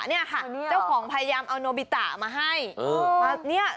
นี่ค่ะเจ้าของพยายามเอานโนบิตะมาให้